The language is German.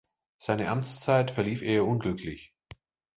Seine Amtszeit verlief eher unglücklich.